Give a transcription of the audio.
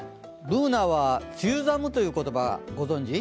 Ｂｏｏｎａは梅雨寒という言葉ご存じ？